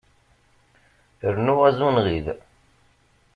Rnu azunɣid.